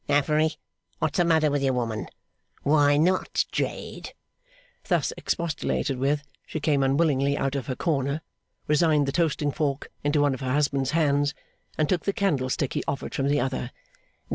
Affery, what's the matter with you, woman? Why not, jade!' Thus expostulated with, she came unwillingly out of her corner, resigned the toasting fork into one of her husband's hands, and took the candlestick he offered from the other.